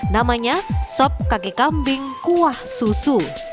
namanya sop kaki kambing kuah susu